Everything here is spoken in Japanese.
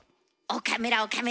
岡村岡村。